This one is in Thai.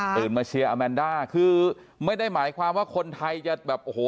มาเชียร์อาแมนด้าคือไม่ได้หมายความว่าคนไทยจะแบบโอ้โห